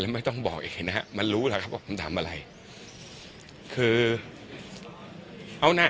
แล้วไม่ต้องบอกเองนะมันรู้แล้วครับว่าคำถามอะไรคือเอานะ